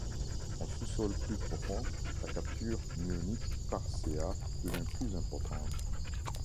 En sous-sol plus profond, la capture muonique par Ca devient plus importante.